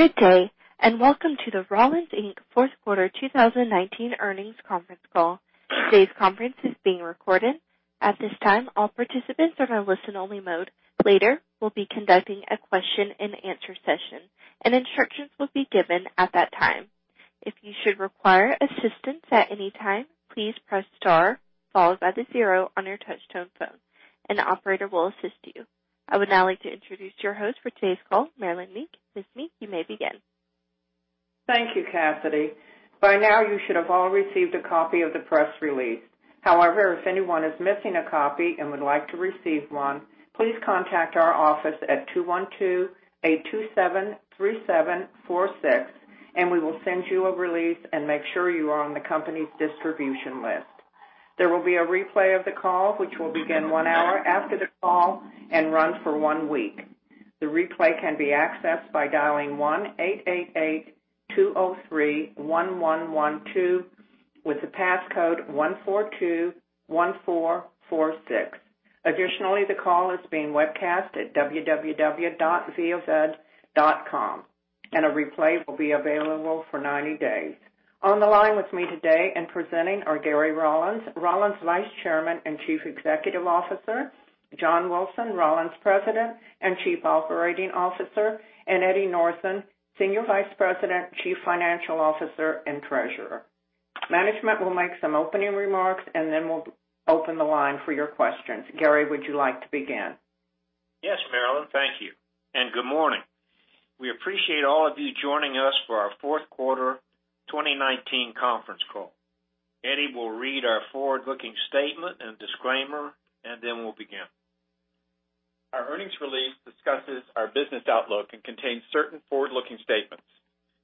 Good day, and welcome to the Rollins, Inc. Fourth Quarter 2019 Earnings Conference Call. Today's conference is being recorded. At this time, all participants are in a listen-only mode. Later, we'll be conducting a question and answer session, and instructions will be given at that time. If you should require assistance at any time, please press star followed by the zero on your touch-tone phone, and the operator will assist you. I would now like to introduce your host for today's call, Marilyn Meek. Ms. Meek, you may begin. Thank you, Cassidy. By now, you should have all received a copy of the press release. However, if anyone is missing a copy and would like to receive one, please contact our office at 212-827-3746, and we will send you a release and make sure you are on the company's distribution list. There will be a replay of the call, which will begin one hour after the call and run for one week. The replay can be accessed by dialing 1-888-203-1112 with the passcode 1421446. Additionally, the call is being webcast at www.viavid.com, and a replay will be available for 90 days. On the line with me today and presenting are Gary Rollins Vice Chairman and Chief Executive Officer. John Wilson, Rollins President and Chief Operating Officer, and Eddie Northen, Senior Vice President, Chief Financial Officer, and Treasurer. Management will make some opening remarks, and then we'll open the line for your questions. Gary, would you like to begin? Yes, Marilyn. Thank you. Good morning. We appreciate all of you joining us for our fourth quarter 2019 conference call. Eddie will read our forward-looking statement and disclaimer. Then we'll begin. Our earnings release discusses our business outlook and contains certain forward-looking statements.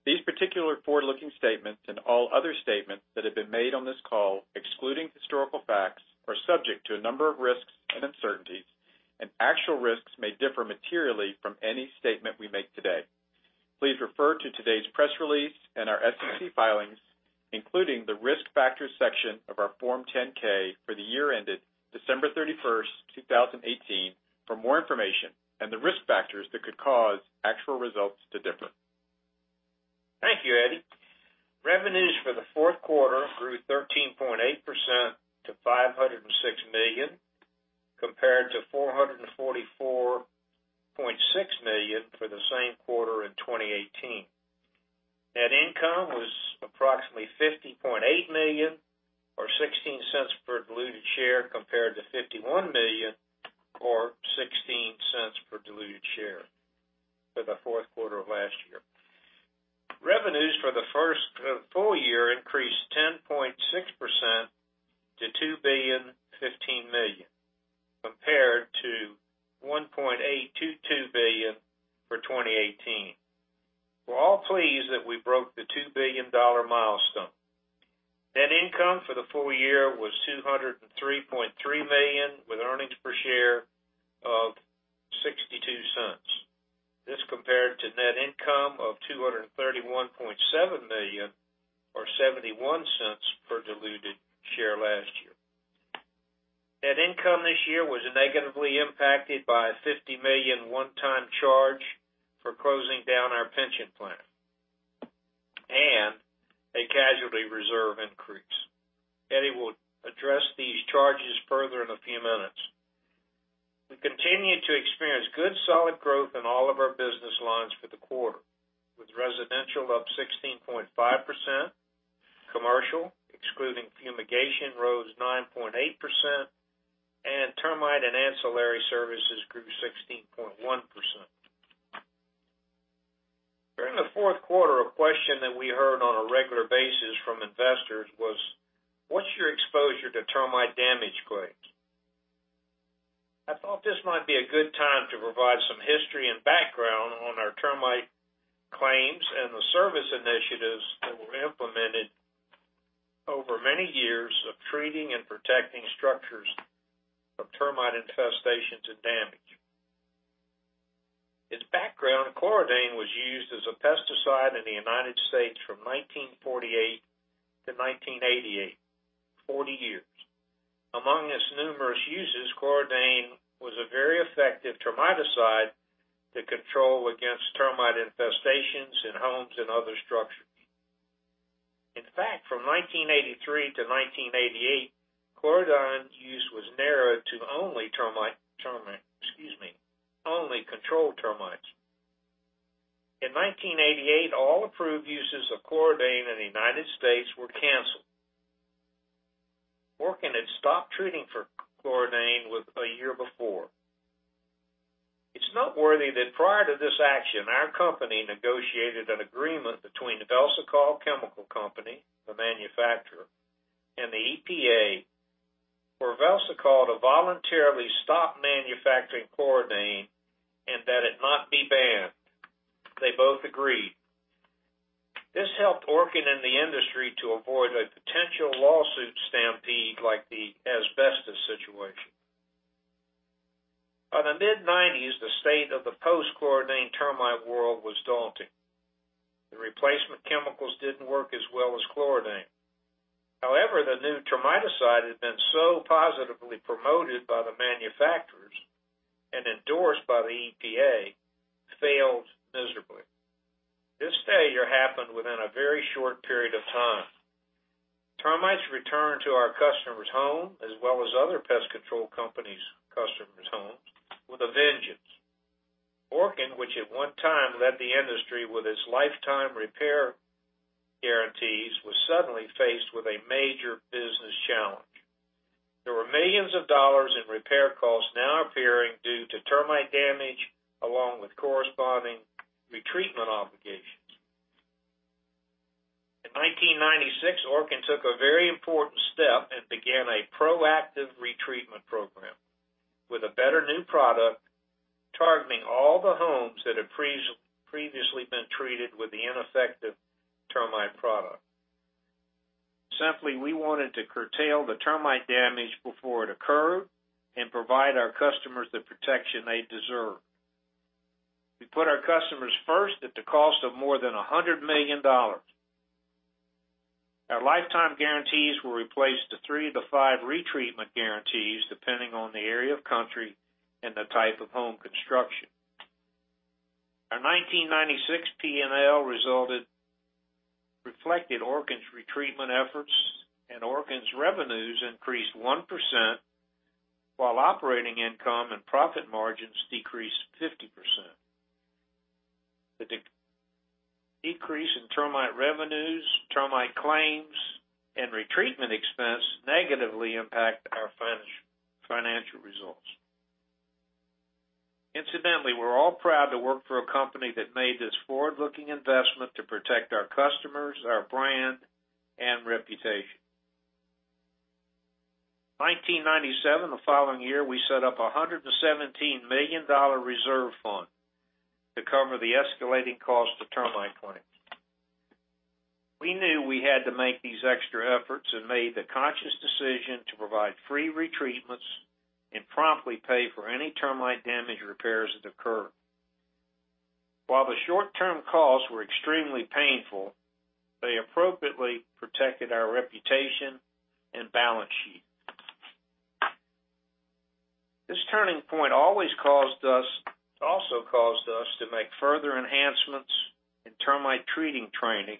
These particular forward-looking statements, and all other statements that have been made on this call excluding historical facts, are subject to a number of risks and uncertainties, and actual risks may differ materially from any statement we make today. Please refer to today's press release and our SEC filings, including the Risk Factors section of our Form 10-K for the year ended December 31st, 2018, for more information and the risk factors that could cause actual results to differ. Thank you, Eddie. Revenues for the fourth quarter grew 13.8% to $506 million, compared to $444.6 million for the same quarter in 2018. Net income was approximately $50.8 million or $0.16 per diluted share compared to $51 million or $0.16 per diluted share for the fourth quarter of last year. Revenues for the first full year increased 10.6% to $2.015 billion, compared to $1.822 billion for 2018. We're all pleased that we broke the $2 billion milestone. Net income for the full year was $203.3 million with earnings per share of $0.62. This compared to net income of $231.7 million or $0.71 per diluted share last year. Net income this year was negatively impacted by a $50 million one-time charge for closing down our pension plan and a casualty reserve increase. Eddie will address these charges further in a few minutes. We continue to experience good, solid growth in all of our business lines for the quarter, with residential up 16.5%, commercial, excluding fumigation, rose 9.8%, and termite and ancillary services grew 16.1%. During the fourth quarter, a question that we heard on a regular basis from investors was: What's your exposure to termite damage claims? I thought this might be a good time to provide some history and background on our termite claims and the service initiatives that were implemented over many years of treating and protecting structures from termite infestations and damage. As background, chlordane was used as a pesticide in the U.S. from 1948 to 1988, 40 years. Among its numerous uses, chlordane was a very effective termiticide to control against termite infestations in homes and other structures. In fact, from 1983 to 1988, chlordane use was narrowed to only termite, excuse me, only control termites. In 1988, all approved uses of chlordane in the United States were canceled. Orkin had stopped treating for chlordane a year before. It's noteworthy that prior to this action, our company negotiated an agreement between Velsicol Chemical Company, the manufacturer, and the EPA, for Velsicol to voluntarily stop manufacturing chlordane and that it not be banned. They both agreed. This helped Orkin and the industry to avoid a potential lawsuit stampede like the asbestos situation. By the mid-1990s, the state of the post-chlordane termite world was daunting. The replacement chemicals didn't work as well as chlordane. However, the new termiticide had been so positively promoted by the manufacturers and endorsed by the EPA, failed miserably. This failure happened within a very short period of time. Termites returned to our customers' home, as well as other pest control companies' customers' homes, with a vengeance. Orkin, which at one time led the industry with its lifetime repair guarantees, was suddenly faced with a major business challenge. There were millions of dollars in repair costs now appearing due to termite damage, along with corresponding retreatment obligations. In 1996, Orkin took a very important step and began a proactive retreatment program with a better new product targeting all the homes that had previously been treated with the ineffective termite product. Simply, we wanted to curtail the termite damage before it occurred and provide our customers the protection they deserve. We put our customers first at the cost of more than $100 million. Our lifetime guarantees were replaced to 3-5 retreatment guarantees, depending on the area of country and the type of home construction. Our 1996 P&L reflected Orkin's retreatment efforts, and Orkin's revenues increased 1%, while operating income and profit margins decreased 50%. The decrease in termite revenues, termite claims, and retreatment expense negatively impacted our financial results. Incidentally, we're all proud to work for a company that made this forward-looking investment to protect our customers, our brand, and reputation. 1997, the following year, we set up $117 million reserve fund to cover the escalating cost of termite claims. We knew we had to make these extra efforts and made the conscious decision to provide free retreatments and promptly pay for any termite damage repairs that occur. While the short-term costs were extremely painful, they appropriately protected our reputation and balance sheet. This turning point also caused us to make further enhancements in termite treating training,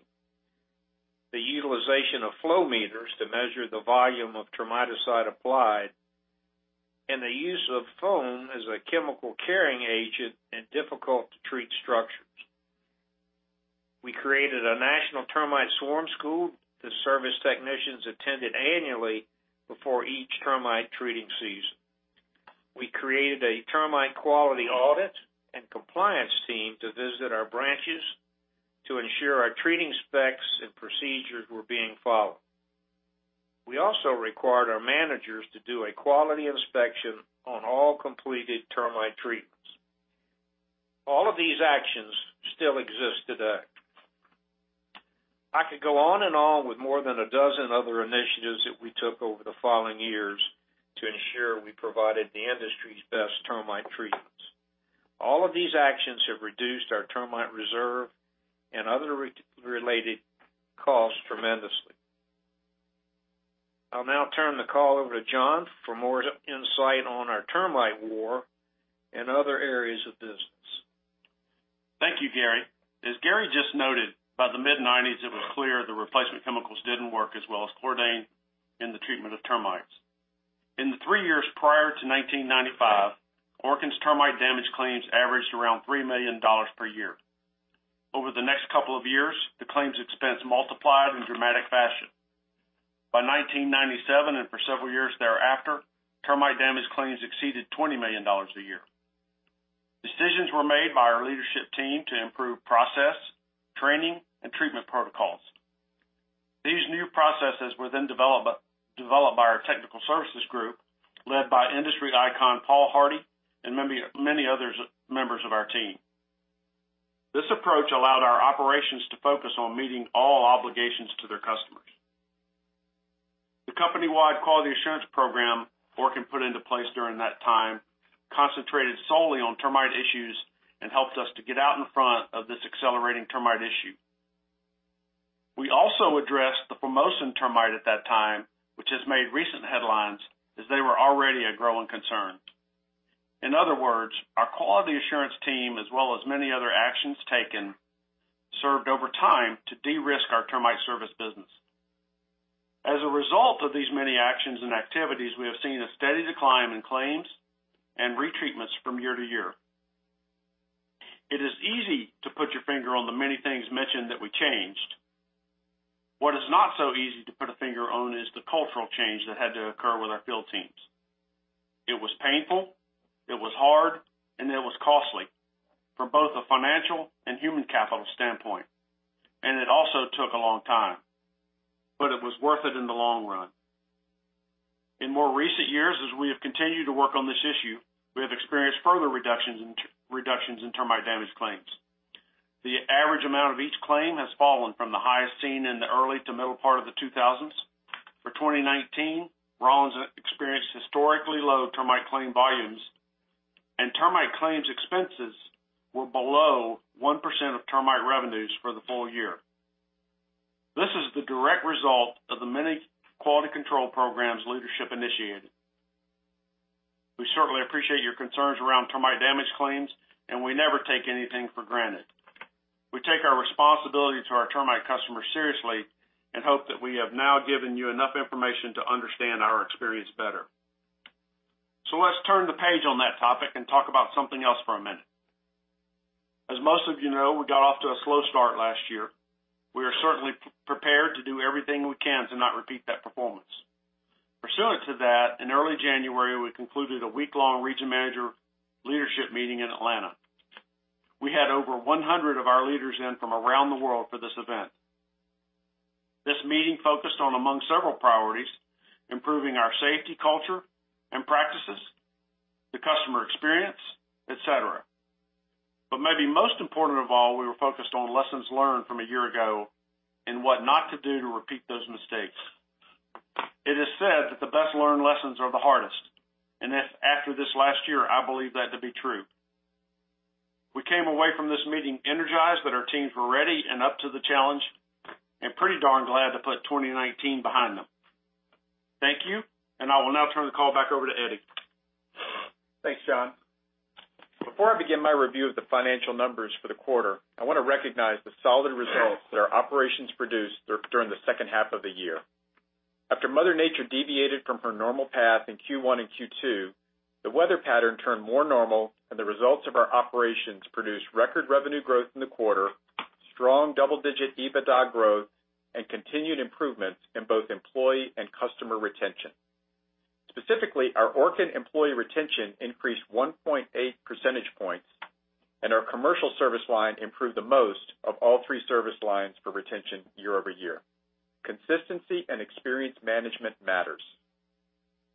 the utilization of flow meters to measure the volume of termiticide applied, and the use of foam as a chemical carrying agent in difficult-to-treat structures. We created a national Termite Swarm School that service technicians attended annually before each termite treating season. We created a Termite Quality Audit and Compliance Team to visit our branches to ensure our treating specs and procedures were being followed. We also required our managers to do a quality inspection on all completed termite treatments. All of these actions still exist today. I could go on and on with more than a dozen other initiatives that we took over the following years to ensure we provided the industry's best termite treatments. All of these actions have reduced our termite reserve and other related costs tremendously. I'll now turn the call over to John for more insight on our termite war and other areas of business. Thank you, Gary. As Gary just noted, by the mid-1990s it was clear the replacement chemicals didn't work as well as chlordane in the treatment of termites. In the three years prior to 1995, Orkin's termite damage claims averaged around $3 million per year. Over the next couple of years, the claims expense multiplied in dramatic fashion. By 1997, and for several years thereafter, termite damage claims exceeded $20 million a year. Decisions were made by our leadership team to improve process, training, and treatment protocols. These new processes were then developed by our technical services group, led by industry icon Paul Hardy and many others members of our team. This approach allowed our operations to focus on meeting all obligations to their customers. The company-wide quality assurance program Orkin put into place during that time concentrated solely on termite issues and helped us to get out in front of this accelerating termite issue. We also addressed the Formosan termite at that time, which has made recent headlines, as they were already a growing concern. In other words, our quality assurance team, as well as many other actions taken, served over time to de-risk our termite service business. As a result of these many actions and activities, we have seen a steady decline in claims and retreatments from year to year. It is easy to put your finger on the many things mentioned that we changed. What is not so easy to put a finger on is the cultural change that had to occur with our field teams. It was painful, it was hard, and it was costly from both a financial and human capital standpoint. It also took a long time, but it was worth it in the long run. In more recent years, as we have continued to work on this issue, we have experienced further reductions in termite damage claims. The average amount of each claim has fallen from the highest seen in the early to middle part of the 2000s. For 2019, Rollins experienced historically low termite claim volumes. Termite claims expenses were below 1% of termite revenues for the full year. This is the direct result of the many quality control programs leadership initiated. We certainly appreciate your concerns around termite damage claims, and we never take anything for granted. We take our responsibility to our termite customers seriously and hope that we have now given you enough information to understand our experience better. Let's turn the page on that topic and talk about something else for a minute. As most of you know, we got off to a slow start last year. We are certainly prepared to do everything we can to not repeat that performance. Pursuant to that, in early January, we concluded a week-long region manager leadership meeting in Atlanta. We had over 100 of our leaders in from around the world for this event. This meeting focused on, among several priorities, improving our safety culture and practices, the customer experience, et cetera. Maybe most important of all, we were focused on lessons learned from a year ago and what not to do to repeat those mistakes. It is said that the best learned lessons are the hardest, and after this last year, I believe that to be true. We came away from this meeting energized that our teams were ready and up to the challenge, and pretty darn glad to put 2019 behind them. Thank you, I will now turn the call back over to Eddie. Thanks, John. Before I begin my review of the financial numbers for the quarter, I want to recognize the solid results that our operations produced during the second half of the year. After Mother Nature deviated from her normal path in Q1 and Q2, the weather pattern turned more normal. The results of our operations produced record revenue growth in the quarter, strong double-digit EBITDA growth, and continued improvements in both employee and customer retention. Specifically, our Orkin employee retention increased 1.8 percentage points. Our commercial service line improved the most of all three service lines for retention year-over-year. Consistency and experience management matters.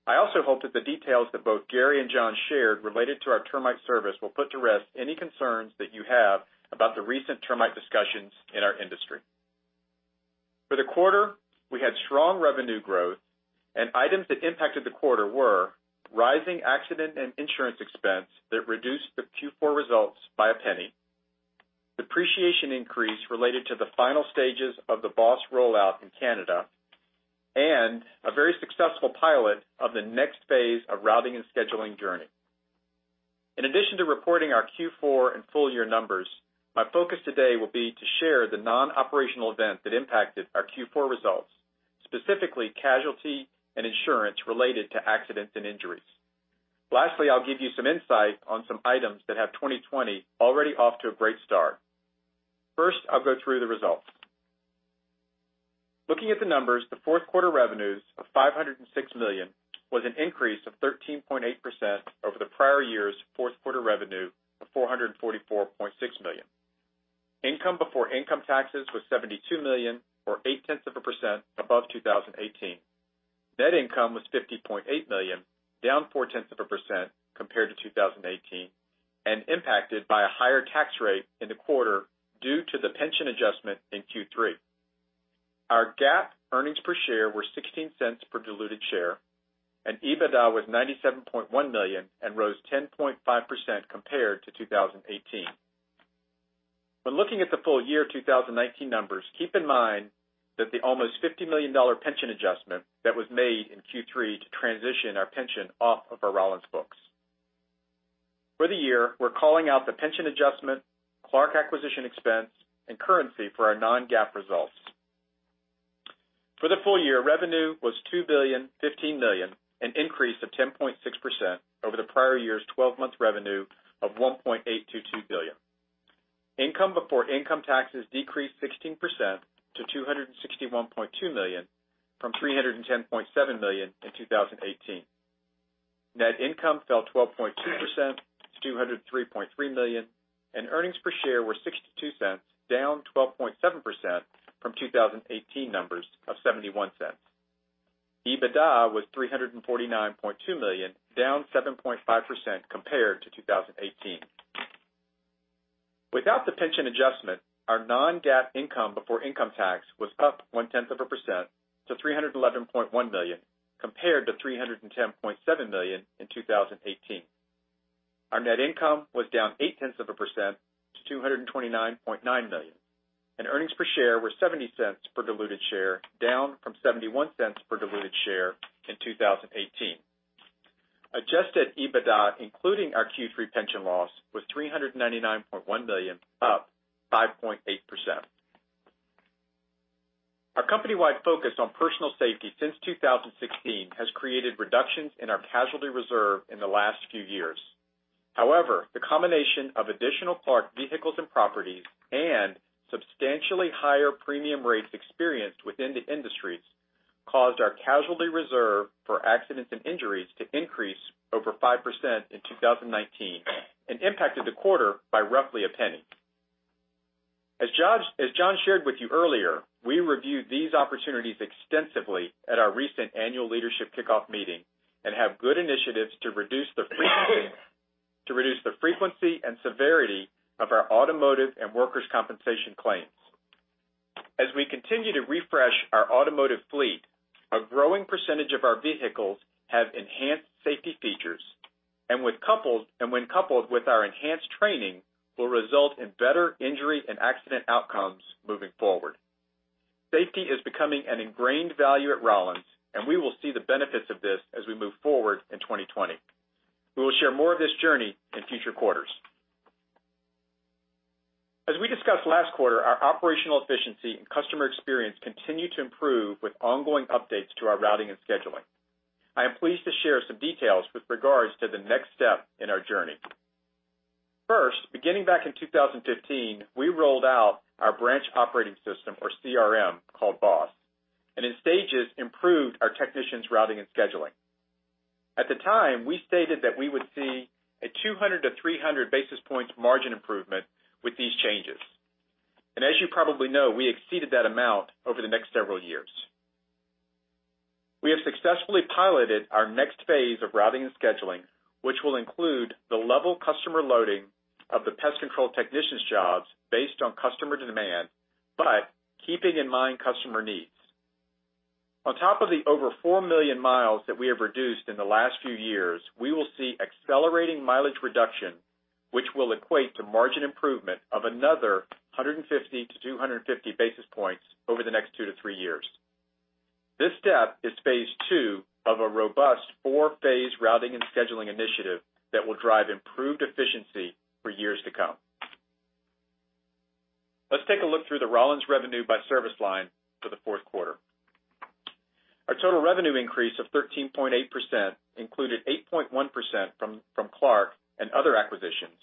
I also hope that the details that both Gary and John shared related to our termite service will put to rest any concerns that you have about the recent termite discussions in our industry. For the quarter, we had strong revenue growth, and items that impacted the quarter were rising accident and insurance expense that reduced the Q4 results by $0.01, depreciation increase related to the final stages of the BOSS rollout in Canada, and a very successful pilot of the next phase of routing and scheduling journey. In addition to reporting our Q4 and full-year numbers, my focus today will be to share the non-operational event that impacted our Q4 results, specifically casualty and insurance related to accidents and injuries. Lastly, I'll give you some insight on some items that have 2020 already off to a great start. First, I'll go through the results. Looking at the numbers, the fourth quarter revenues of $506 million was an increase of 13.8% over the prior year's fourth-quarter revenue of $444.6 million. Income before income taxes was $72 million or 0.8% above 2018. Net income was $50.8 million, down 0.4% compared to 2018 and impacted by a higher tax rate in the quarter due to the pension adjustment in Q3. Our GAAP earnings per share were $0.16 per diluted share, and EBITDA was $97.1 million and rose 10.5% compared to 2018. When looking at the full year 2019 numbers, keep in mind that the almost $50 million pension adjustment that was made in Q3 to transition our pension off of our Rollins books. For the year, we're calling out the pension adjustment, Clark acquisition expense, and currency for our non-GAAP results. For the full year, revenue was $2.015 billion, an increase of 10.6% over the prior year's 12-month revenue of $1.822 billion. Income before income taxes decreased 16% to $261.2 million from $310.7 million in 2018. Net income fell 12.2% to $203.3 million, and earnings per share were $0.62, down 12.7% from 2018 numbers of $0.71. EBITDA was $349.2 million, down 7.5% compared to 2018. Without the pension adjustment, our non-GAAP income before income tax was up 0.1% to $311.1 million, compared to $310.7 million in 2018. Our net income was down 0.8% to $229.9 million, and earnings per share were $0.70 per diluted share, down from $0.71 per diluted share in 2018. Adjusted EBITDA, including our Q3 pension loss, was $399.1 million, up 5.8%. Our company-wide focus on personal safety since 2016 has created reductions in our casualty reserve in the last few years. However, the combination of additional Clark vehicles and properties and substantially higher premium rates experienced within the industries caused our casualty reserve for accidents and injuries to increase over 5% in 2019 and impacted the quarter by roughly $0.01. As John shared with you earlier, we reviewed these opportunities extensively at our recent annual leadership kickoff meeting and have good initiatives to reduce the frequency and severity of our automotive and workers' compensation claims. As we continue to refresh our automotive fleet, a growing percentage of our vehicles have enhanced safety features, and when coupled with our enhanced training, will result in better injury and accident outcomes moving forward. Safety is becoming an ingrained value at Rollins, and we will see the benefits of this as we move forward in 2020. We will share more of this journey in future quarters. As we discussed last quarter, our operational efficiency and customer experience continue to improve with ongoing updates to our routing and scheduling. I am pleased to share some details with regards to the next step in our journey. First, beginning back in 2015, we rolled out our branch operating system, or CRM, called BOSS, and in stages, improved our technicians' routing and scheduling. At the time, we stated that we would see a 200 to 300 basis points margin improvement with these changes. As you probably know, we exceeded that amount over the next several years. We have successfully piloted our next phase of routing and scheduling, which will include the level customer loading of the pest control technicians' jobs based on customer demand, but keeping in mind customer needs. On top of the over four million miles that we have reduced in the last few years, we will see accelerating mileage reduction, which will equate to margin improvement of another 150 to 250 basis points over the next two to three years. This step is phase II of a robust 4-phase routing and scheduling initiative that will drive improved efficiency for years to come. Let's take a look through the Rollins revenue by service line for the fourth quarter. Our total revenue increase of 13.8% included 8.1% from Clark and other acquisitions,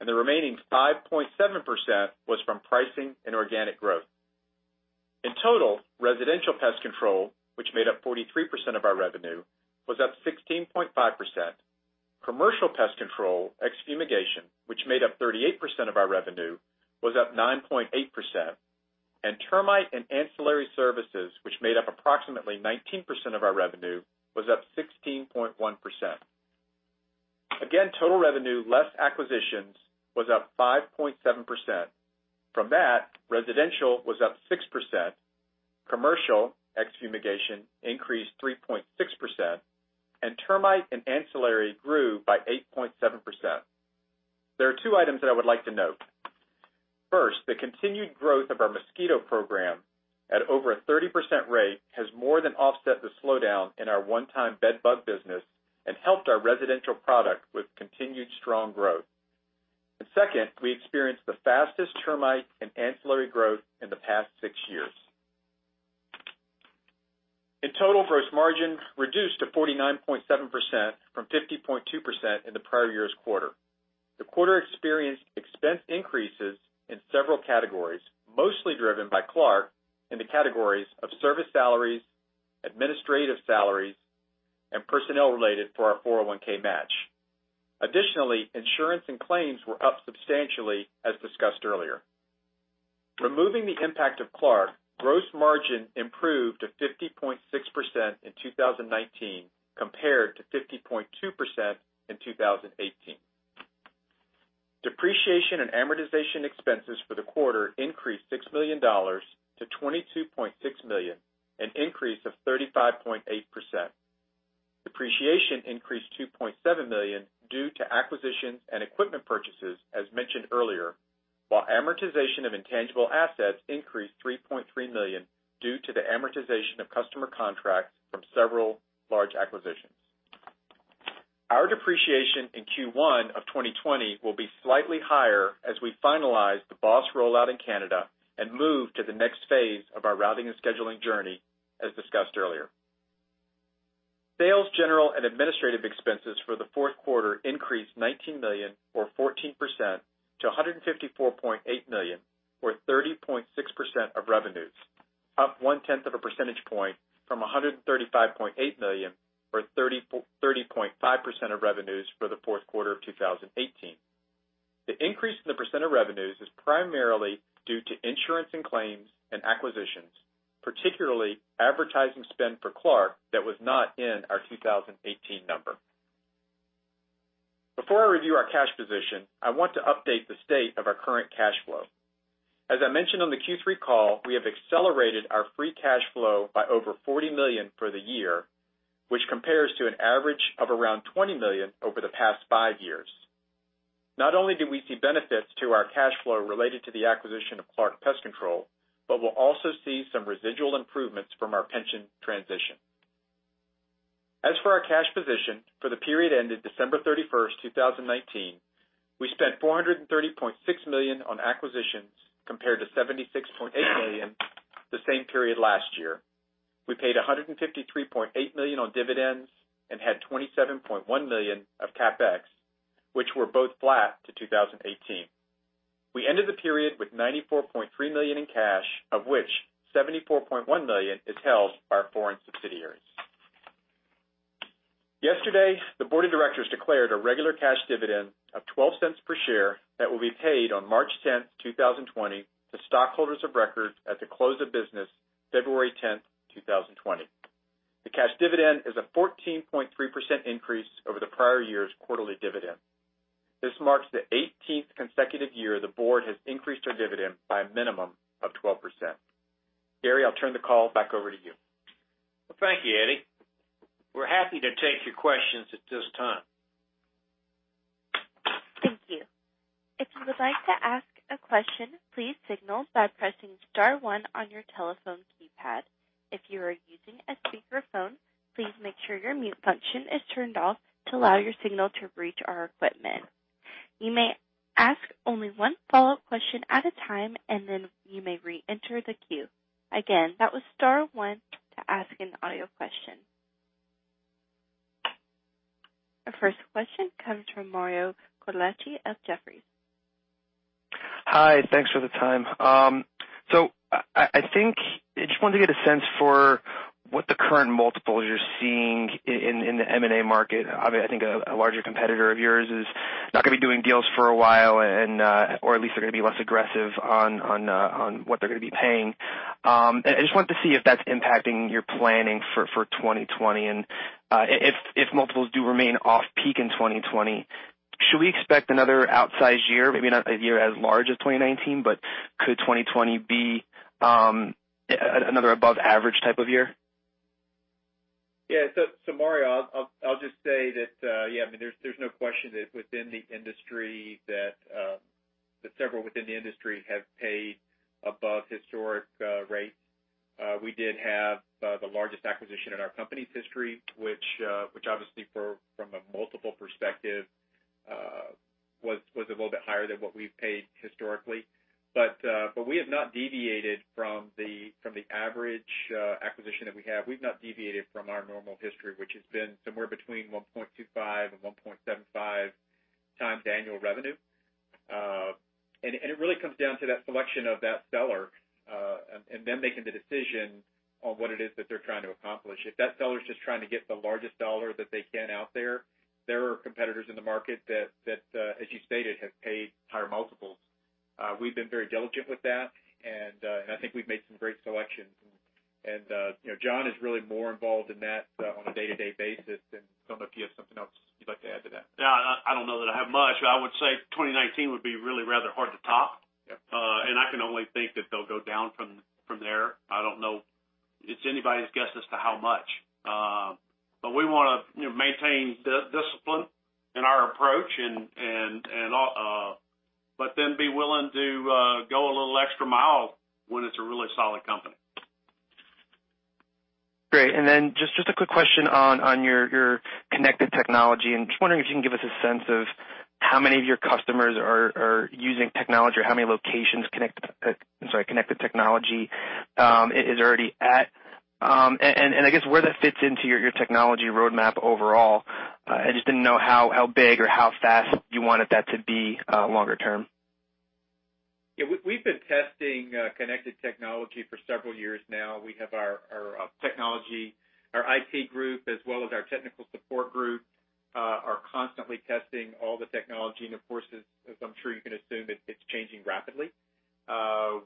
and the remaining 5.7% was from pricing and organic growth. In total, residential pest control, which made up 43% of our revenue, was up 16.5%. Commercial pest control, ex-fumigation, which made up 38% of our revenue, was up 9.8%, and termite and ancillary services, which made up approximately 19% of our revenue, was up 16.1%. Again, total revenue, less acquisitions, was up 5.7%. From that, residential was up 6%, commercial, ex-fumigation, increased 3.6%, and termite and ancillary grew by 8.7%. There are two items that I would like to note. First, the continued growth of our mosquito program at over a 30% rate has more than offset the slowdown in our one-time bedbug business and helped our residential product with continued strong growth. Second, we experienced the fastest termite and ancillary growth in the past six years. In total, gross margin reduced to 49.7% from 50.2% in the prior year's quarter. The quarter experienced expense increases in several categories, mostly driven by Clark in the categories of service salaries, administrative salaries, and personnel-related for our 401(k) match. Insurance and claims were up substantially, as discussed earlier. Removing the impact of Clark, gross margin improved to 50.6% in 2019 compared to 50.2% in 2018. Depreciation and amortization expenses for the quarter increased $6 million to $22.6 million, an increase of 35.8%. Depreciation increased $2.7 million due to acquisitions and equipment purchases, as mentioned earlier, while amortization of intangible assets increased $3.3 million due to the amortization of customer contracts from several large acquisitions. Our depreciation in Q1 of 2020 will be slightly higher as we finalize the BOSS rollout in Canada and move to the next phase of our routing and scheduling journey, as discussed earlier. Sales, general, and administrative expenses for the fourth quarter increased $19 million or 14% to $154.8 million, or 30.6% of revenues, up 1/10 of a percentage point from $135.8 million or 30.5% of revenues for the fourth quarter of 2018. The increase in the percent of revenues is primarily due to insurance and claims and acquisitions, particularly advertising spend for Clark that was not in our 2018 number. Before I review our cash position, I want to update the state of our current cash flow. As I mentioned on the Q3 call, we have accelerated our free cash flow by over $40 million for the year, which compares to an average of around $20 million over the past five years. Not only do we see benefits to our cash flow related to the acquisition of Clark Pest Control, but we'll also see some residual improvements from our pension transition. As for our cash position, for the period ended December 31st, 2019, we spent $430.6 million on acquisitions compared to $76.8 million the same period last year. We paid $153.8 million on dividends and had $27.1 million of CapEx, which were both flat to 2018. We ended the period with $94.3 million in cash, of which $74.1 million is held by our foreign subsidiaries. Yesterday, the board of directors declared a regular cash dividend of $0.12 per share that will be paid on March 10th, 2020 to stockholders of record at the close of business February 10th, 2020. The cash dividend is a 14.3% increase over the prior year's quarterly dividend. This marks the 18th consecutive year the board has increased our dividend by a minimum of 12%. Gary, I'll turn the call back over to you. Well, thank you, Eddie. We're happy to take your questions at this time. Thank you. If you would like to ask a question, please signal by pressing star one on your telephone keypad. If you are using a speakerphone, please make sure your mute function is turned off to allow your signal to reach our equipment. You may ask only one follow-up question at a time, and then you may reenter the queue. Again, that was star one to ask an audio question. Our first question comes from Mario Cortellacci of Jefferies. Hi. Thanks for the time. I just wanted to get a sense for what the current multiples you're seeing in the M&A market. Obviously, I think a larger competitor of yours is not going to be doing deals for a while or at least they're going to be less aggressive on what they're going to be paying. I just wanted to see if that's impacting your planning for 2020 and if multiples do remain off-peak in 2020, should we expect another outsized year, maybe not a year as large as 2019, but could 2020 be another above average type of year? Mario, I'll just say that, yeah, there's no question that several within the industry have paid above historic rates. We did have the largest acquisition in our company's history, which obviously from a multiple perspective, was a little bit higher than what we've paid historically. We have not deviated from the average acquisition that we have. We've not deviated from our normal history, which has been somewhere between 1.25 and 1.75 times annual revenue. It really comes down to that selection of that seller, and them making the decision on what it is that they're trying to accomplish. If that seller's just trying to get the largest dollar that they can out there are competitors in the market that, as you stated, have paid higher multiples. We've been very diligent with that, and I think we've made some great selections. John is really more involved in that on a day-to-day basis. I don't know if you have something else you'd like to add to that. No, I don't know that I have much. I would say 2019 would be really rather hard to top. Yep. I can only think that they'll go down from there. I don't know. It's anybody's guess as to how much. We want to maintain discipline in our approach but then be willing to go a little extra mile when it's a really solid company. Great. Just a quick question on your connected technology, just wondering if you can give us a sense of how many of your customers are using technology or how many locations connected technology is already at? I guess where that fits into your technology roadmap overall? I just didn't know how big or how fast you wanted that to be longer term. Yeah, we've been testing connected technology for several years now. We have our technology, our IT group as well as our technical support group are constantly testing all the technology and of course, as I'm sure you can assume, it's changing rapidly.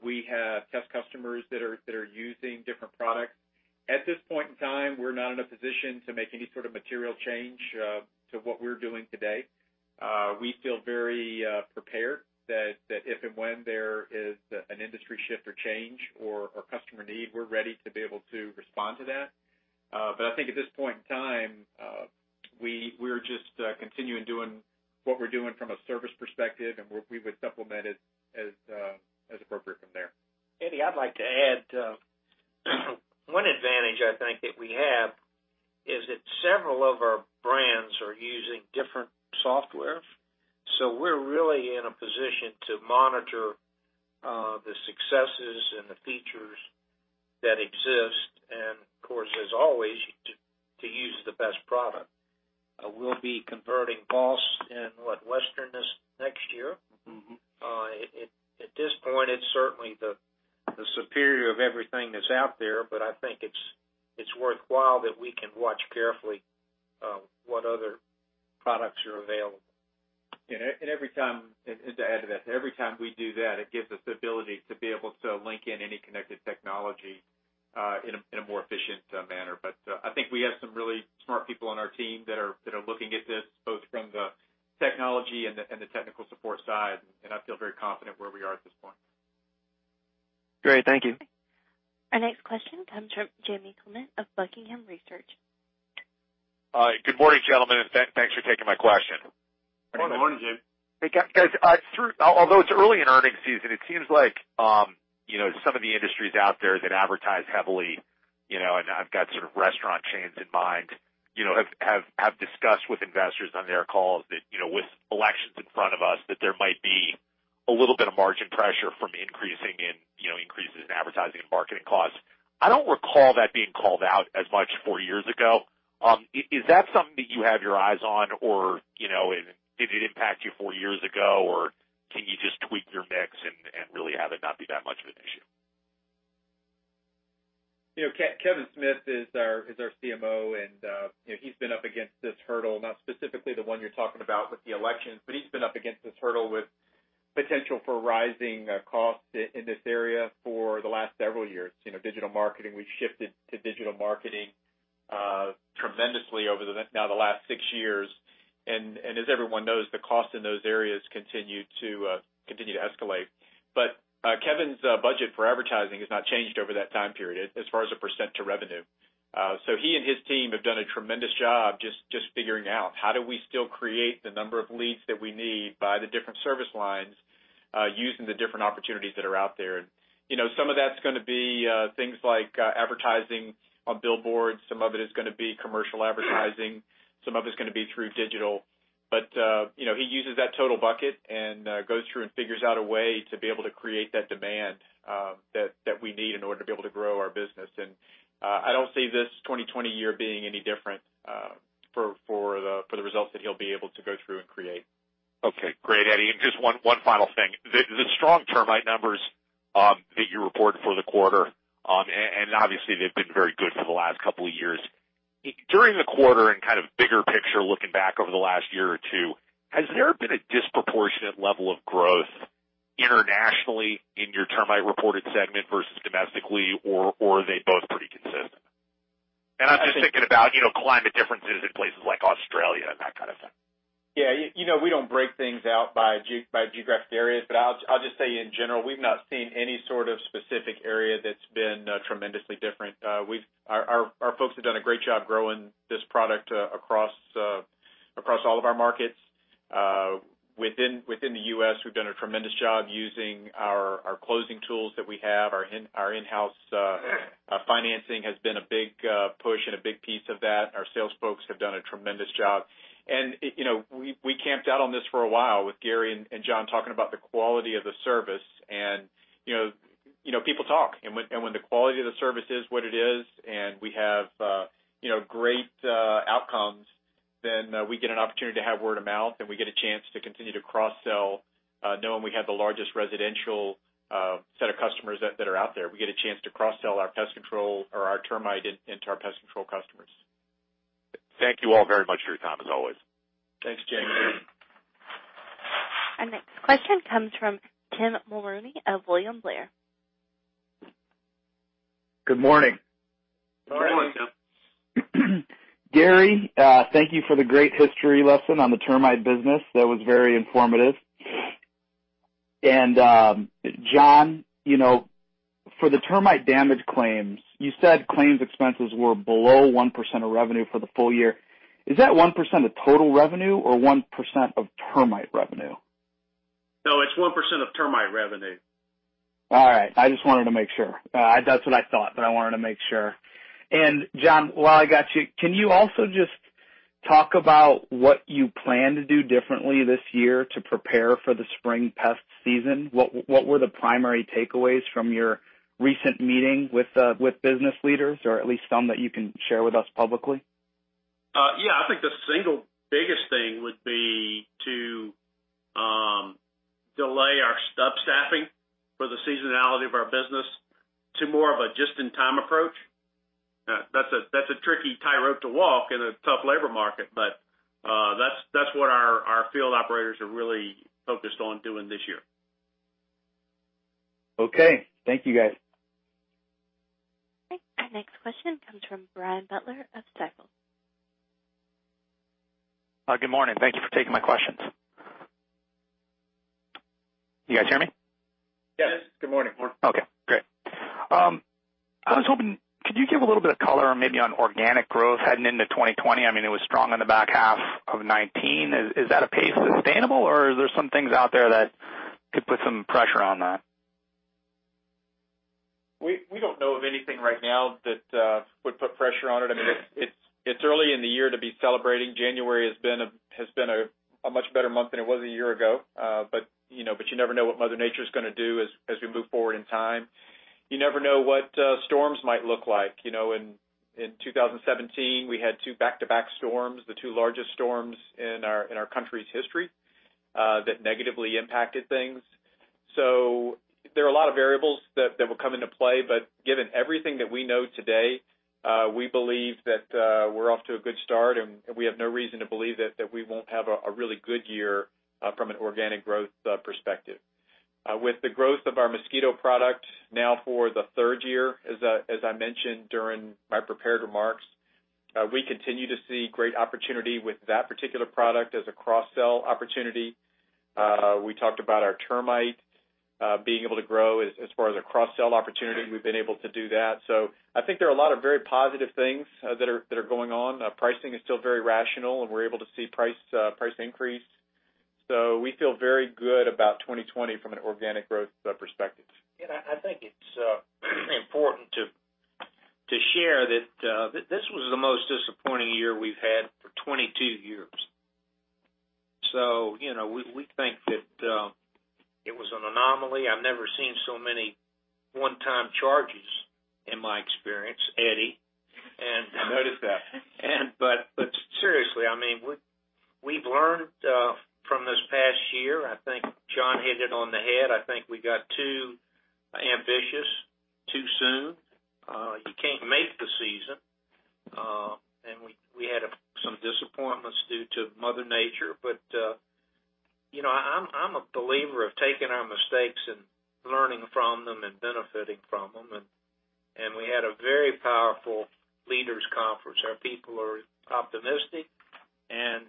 We have test customers that are using different products. At this point in time, we're not in a position to make any sort of material change to what we're doing today. We feel very prepared that if and when there is an industry shift or change or customer need, we're ready to be able to respond to that. I think at this point in time, we're just continuing doing what we're doing from a service perspective, and we would supplement it as appropriate from there. Eddie, I'd like to add one advantage I think that we have is that several of our brands are using different software. We're really in a position to monitor the successes and the features that exist and of course, as always, to use the best product. We'll be converting BOSS in Western this next year. At this point, it's certainly the superior of everything that's out there, but I think it's worthwhile that we can watch carefully what other products are available. To add to that, every time we do that, it gives us the ability to be able to link in any connected technology in a more efficient manner. I think we have some really smart people on our team that are looking at this, both from the technology and the technical support side, and I feel very confident where we are at this point. Great. Thank you. Our next question comes from Jamie Clement of Buckingham Research. Hi. Good morning, gentlemen, and thanks for taking my question. Good morning. Good morning, Jamie. Although it's early in earnings season, it seems like some of the industries out there that advertise heavily, and I've got sort of restaurant chains in mind, have discussed with investors on their calls that with elections in front of us, that there might be a little bit of margin pressure from increases in advertising and marketing costs. I don't recall that being called out as much four years ago. Is that something that you have your eyes on or did it impact you four years ago or can you just tweak your mix and really have it not be that much of an issue? Kevin Smith is our CMO. He's been up against this hurdle, not specifically the one you're talking about with the elections, but he's been up against this hurdle with potential for rising costs in this area for the last several years. Digital marketing, we've shifted to digital marketing tremendously over now the last six years. As everyone knows, the cost in those areas continue to escalate. Kevin's budget for advertising has not changed over that time period as far as a percent to revenue. He and his team have done a tremendous job just figuring out how do we still create the number of leads that we need by the different service lines, using the different opportunities that are out there. Some of that's going to be things like advertising on billboards, some of it is going to be commercial advertising, some of it's going to be through digital. He uses that total bucket and goes through and figures out a way to be able to create that demand that we need in order to be able to grow our business. I don't see this 2020 year being any different for the results that he'll be able to go through and create. Okay. Great, Eddie. Just one final thing. The strong termite numbers that you reported for the quarter, and obviously, they've been very good for the last couple of years. During the quarter, and kind of bigger picture, looking back over the last year or two, has there been a disproportionate level of growth internationally in your termite reported segment versus domestically, or are they both pretty consistent? I'm just thinking about climate differences in places like Australia and that kind of thing. Yeah. We don't break things out by geographic areas, but I'll just say in general, we've not seen any sort of specific area that's been tremendously different. Our folks have done a great job growing this product across all of our markets. Within the U.S., we've done a tremendous job using our closing tools that we have. Our in-house financing has been a big push and a big piece of that. Our sales folks have done a tremendous job. We camped out on this for a while with Gary and John talking about the quality of the service, and people talk. When the quality of the service is what it is, and we have great outcomes, then we get an opportunity to have word-of-mouth, and we get a chance to continue to cross-sell, knowing we have the largest residential set of customers that are out there. We get a chance to cross-sell our termite into our pest control customers. Thank you all very much for your time, as always. Thanks, Jamie. Our next question comes from Tim Mulrooney of William Blair. Good morning. Good morning, Tim. Gary, thank you for the great history lesson on the termite business. That was very informative. John. Is that 1% of total revenue or 1% of termite revenue? No, it's 1% of termite revenue. All right. I just wanted to make sure. That's what I thought, but I wanted to make sure. John, while I got you, can you also just talk about what you plan to do differently this year to prepare for the spring pest season? What were the primary takeaways from your recent meeting with business leaders, or at least some that you can share with us publicly? Yeah, I think the single biggest thing would be to delay our stub staffing for the seasonality of our business to more of a just-in-time approach. That's a tricky tightrope to walk in a tough labor market, but that's what our field operators are really focused on doing this year. Okay. Thank you, guys. Okay. Our next question comes from Brian Butler of Stifel. Good morning. Thank you for taking my questions. You guys hear me? Yes. Good morning. Yes. Okay, great. I was hoping, could you give a little bit of color maybe on organic growth heading into 2020? It was strong in the back half of 2019. Is that a pace sustainable, or are there some things out there that could put some pressure on that? We don't know of anything right now that would put pressure on it. It's early in the year to be celebrating. January has been a much better month than it was a year ago. You never know what Mother Nature's going to do as we move forward in time. You never know what storms might look like. In 2017, we had two back-to-back storms, the two largest storms in our country's history, that negatively impacted things. There are a lot of variables that will come into play, but given everything that we know today, we believe that we're off to a good start, and we have no reason to believe that we won't have a really good year from an organic growth perspective. With the growth of our mosquito product now for the third year, as I mentioned during my prepared remarks, we continue to see great opportunity with that particular product as a cross-sell opportunity. We talked about our termite being able to grow as far as a cross-sell opportunity, we've been able to do that. I think there are a lot of very positive things that are going on. Pricing is still very rational, and we're able to see price increase. We feel very good about 2020 from an organic growth perspective. I think it's important to share that this was the most disappointing year we've had for 22 years. We think that it was an anomaly. I've never seen so many one-time charges in my experience, Eddie. I noticed that. Seriously, we've learned from this past year. I think John hit it on the head. I think we got too ambitious to soon to make the season and we have some disappointments due to Mother Nature. I'm a believer of taking our mistakes and learning from them and benefiting from them, and we had a very powerful leaders conference. Our people are optimistic, and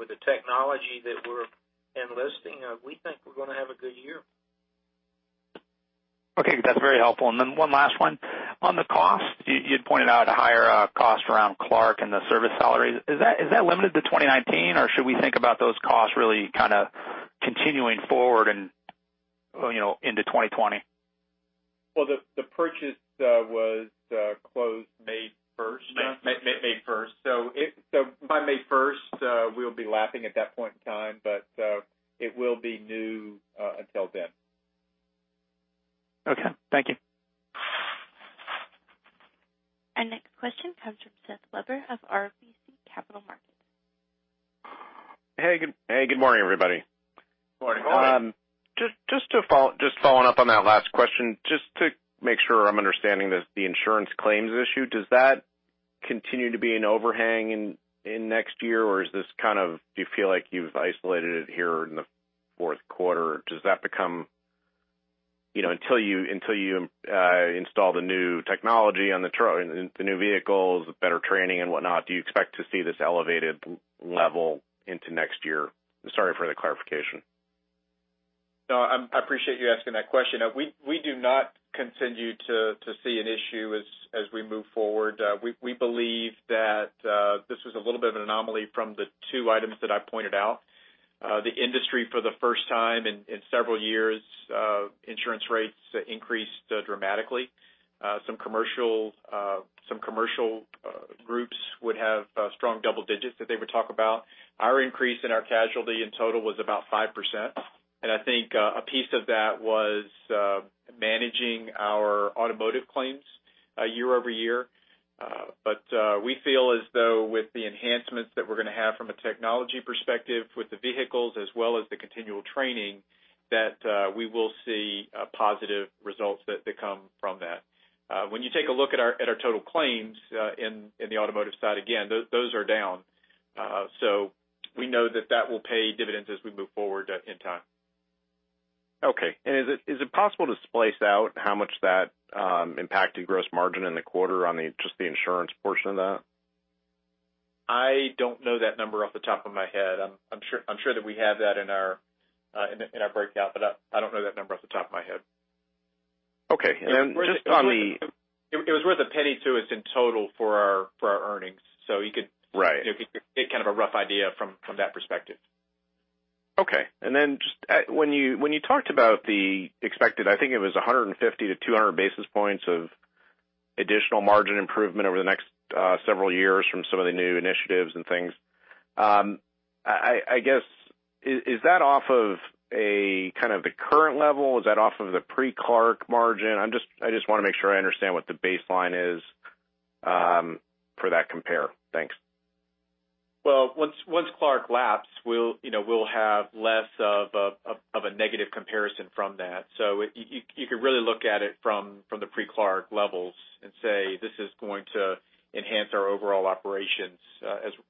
with the technology that we're enlisting, we think we're going to have a good year. Okay. That's very helpful. Then one last one. On the cost, you'd pointed out a higher cost around Clark and the service salaries. Is that limited to 2019, or should we think about those costs really continuing forward into 2020? Well, the purchase was closed May 1st. By May 1st, we'll be lapping at that point in time, but it will be new until then. Okay, thank you. Our next question comes from Seth Weber of RBC Capital Markets. Hey, good morning, everybody. Morning. Just following up on that last question, just to make sure I'm understanding this, the insurance claims issue, does that continue to be an overhang in next year, or do you feel like you've isolated it here in the fourth quarter? Until you install the new technology on the new vehicles with better training and whatnot, do you expect to see this elevated level into next year? Sorry for the clarification. No, I appreciate you asking that question. We do not continue to see an issue as we move forward. We believe that this was a little bit of an anomaly from the two items that I pointed out. The industry for the first time in several years, insurance rates increased dramatically. Some commercial groups would have strong double digits that they would talk about. Our increase in our casualty in total was about 5%, and I think a piece of that was managing our automotive claims year-over-year. We feel as though with the enhancements that we're going to have from a technology perspective with the vehicles as well as the continual training, that we will see positive results that come from that. When you take a look at our total claims in the automotive side, again, those are down. We know that that will pay dividends as we move forward in time. Okay. Is it possible to splice out how much that impacted gross margin in the quarter on just the insurance portion of that? I don't know that number off the top of my head. I'm sure that we have that in our breakout, but I don't know that number off the top of my head. Okay. It was worth $0.01 to us in total for our earnings. Right. You could get kind of a rough idea from that perspective. Okay. Just when you talked about the expected, I think it was 150 to 200 basis points of additional margin improvement over the next several years from some of the new initiatives and things. I guess, is that off of a kind of the current level? Is that off of the pre-Clark margin? I just want to make sure I understand what the baseline is for that compare. Thanks. Well, once Clark laps, we'll have less of a negative comparison from that. You could really look at it from the pre-Clark levels and say this is going to enhance our overall operations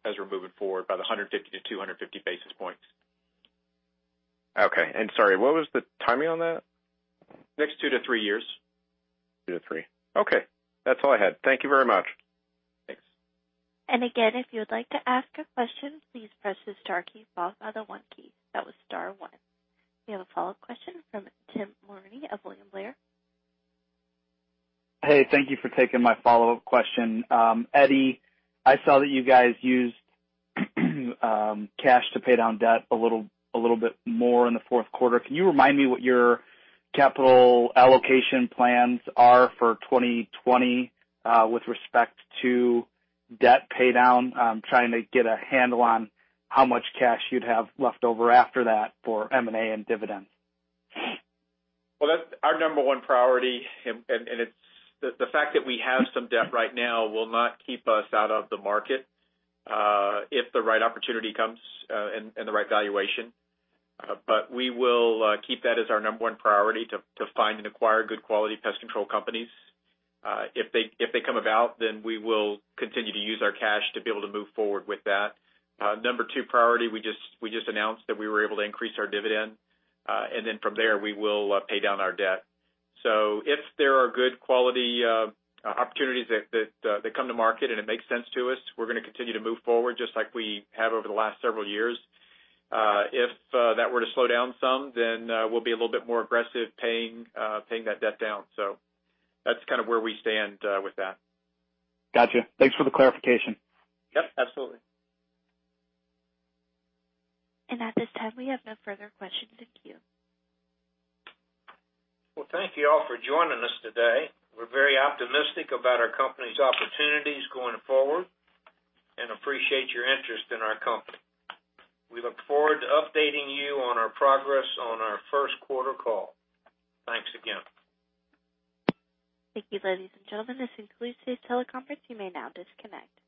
as we're moving forward by the 150 basis points to 250 basis points. Okay. Sorry, what was the timing on that? Next two to three years. Two to three. Okay. That's all I had. Thank you very much. Thanks. Again, if you would like to ask a question, please press the star key, followed by the one key. That was star one. We have a follow-up question from Tim Mulrooney of William Blair. Hey, thank you for taking my follow-up question. Eddie, I saw that you guys used cash to pay down debt a little bit more in the fourth quarter. Can you remind me what your capital allocation plans are for 2020 with respect to debt pay down? I'm trying to get a handle on how much cash you'd have left over after that for M&A and dividends. That's our number one priority, and the fact that we have some debt right now will not keep us out of the market if the right opportunity comes and the right valuation. We will keep that as our number one priority to find and acquire good quality pest control companies. If they come about, then we will continue to use our cash to be able to move forward with that. Number two priority, we just announced that we were able to increase our dividend. From there, we will pay down our debt. If there are good quality opportunities that come to market and it makes sense to us, we're going to continue to move forward just like we have over the last several years. If that were to slow down some, then we'll be a little bit more aggressive paying that debt down. That's kind of where we stand with that. Got you. Thanks for the clarification. Yep, absolutely. At this time, we have no further questions in the queue. Well, thank you all for joining us today. We're very optimistic about our company's opportunities going forward and appreciate your interest in our company. We look forward to updating you on our progress on our first quarter call. Thanks again. Thank you, ladies and gentlemen. This concludes today's teleconference. You may now disconnect.